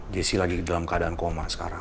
jessi lagi dalam keadaan koma sekarang